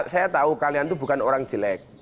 saya tahu kalian itu bukan orang jelek